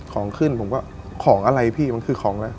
ของขึ้นผมก็ของอะไรพี่มันคือของอะไร